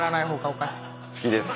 好きです。